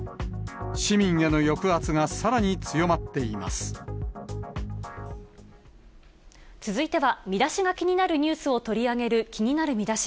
市民への抑圧がさらに強まってい続いてはミダシが気になるニュースを取り上げる、気になるミダシ。